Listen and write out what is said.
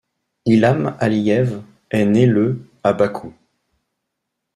Ilham Aliyev est né le à Bakou.